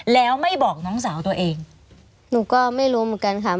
แล้วไม่บอกน้องสาวตัวเองหนูก็ไม่รู้เหมือนกันค่ะ